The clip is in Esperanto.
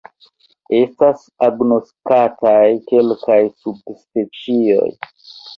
Estas agnoskataj kelkaj subspecioj.